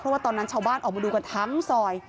เพราะว่าตอนนั้นชาวบ้านออกมาดูกันทั้งซอย